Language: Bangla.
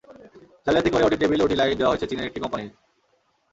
জালিয়াতি করে ওটি টেবিল, ওটি লাইট দেওয়া হয়েছে চীনের একটি কোম্পানির।